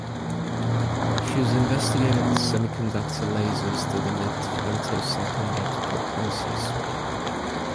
She has investigated semiconductor lasers that emit femtosecond optical pulses.